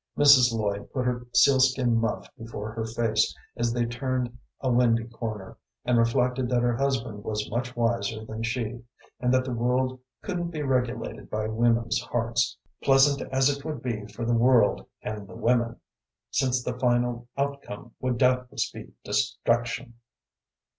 Mrs. Lloyd put her sealskin muff before her face as they turned a windy corner, and reflected that her husband was much wiser than she, and that the world couldn't be regulated by women's hearts, pleasant as it would be for the world and the women, since the final outcome would doubtless be destruction.